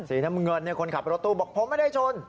สีน้ำเงินคนขับรถตู้บอกผมไม่ได้ชน